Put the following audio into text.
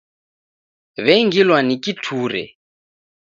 W'engilwa ni kiture.